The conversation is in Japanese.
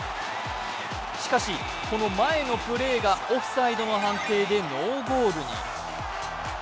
しかしこの前のプレーがオフサイドの判定でノーゴールに。